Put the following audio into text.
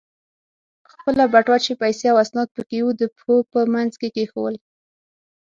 خپله بټوه چې پیسې او اسناد پکې و، د پښو په منځ کې کېښوول.